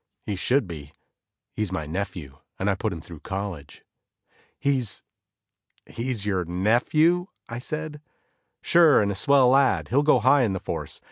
He should be, he's my nephew and I put him through college." "He's he's your nephew?" I said. "Sure, and a swell lad; he'll go high on the force.